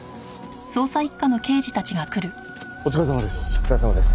お疲れさまです。